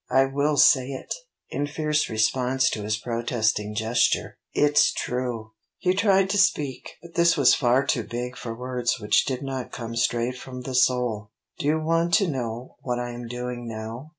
_ I will say it! " in fierce response to his protesting gesture "It's true!" He tried to speak, but this was far too big for words which did not come straight from the soul. "Do you know what I am doing now?"